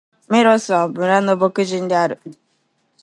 メロスは、村の牧人である。